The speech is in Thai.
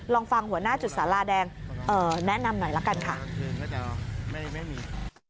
ลองฟังหัวหน้าจุดสาราแดงแนะนำหน่อยละกันค่ะ